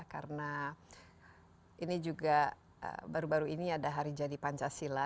karena ini juga baru baru ini ada hari jadi pancasila